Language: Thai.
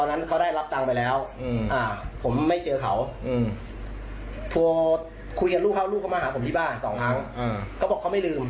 ยังดายกันไม่ได้ไม่อยากให้คุณอ่ะงอก